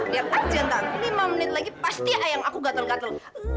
lihat aja ntar lima menit lagi pasti ayam aku gatel gatel